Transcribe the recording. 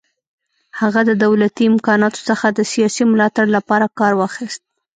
هغه د دولتي امکاناتو څخه د سیاسي ملاتړ لپاره کار واخیست.